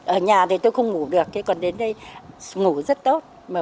ở nhà thì tôi không ngủ được còn đến đây ngủ rất tốt mở khỏe